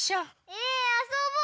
えあそぼうよ！